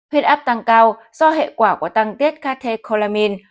huyết áp tăng cao do hệ quả của tăng tiết catecholamine